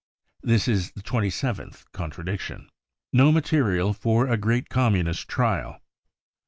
This is the twenty seventh contradiction. No Material for a Great Communist Trial.